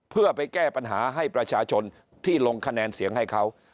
เพื่อไปแก้ปัญหาให้ประชาชนที่ลงคะแนนเสียงให้เขา